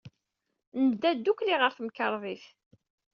Nedda ddukkli ɣer temkarḍit.